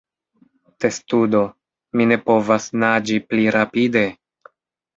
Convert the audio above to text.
Testudo: "Mi ne povas naĝi pli rapide!"